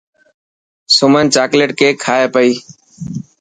سمن چاڪليٽ ڪيڪ کائي پئي.